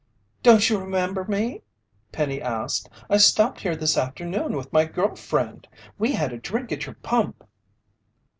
"Don't you remember me?" Penny asked. "I stopped here this afternoon with my girl friend. We had a drink at your pump."